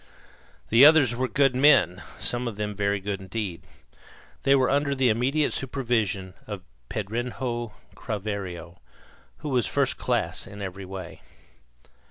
The others were good men, some of them very good indeed. They were under the immediate supervision of Pedrinho Craveiro, who was first class in every way.